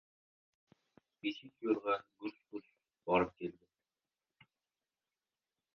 Beshik yo‘rg‘a gurs-gurs borib keldi.